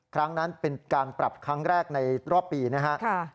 ครั้งนั้นเป็นการปรับครั้งแรกในรอบปีนะครับ